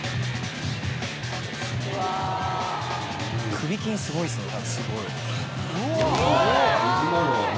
首筋すごいですねたぶん。